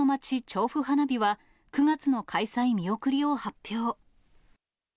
調布花火は、９月の開催見送りを発表。